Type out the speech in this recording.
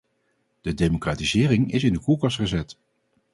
De democratisering is in de koelkast gezet.